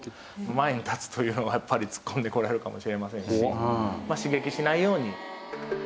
前に立つというのはやっぱり突っ込んでこられるかもしれませんしまあ刺激しないように。